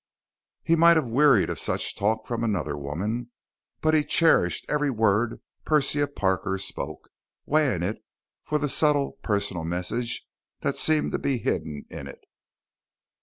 He might have wearied of such talk from another woman, but he cherished every word Persia Parker spoke, weighing it for the subtle, personal message that seemed to be hidden in it.